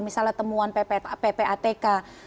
misalnya temuan ppatk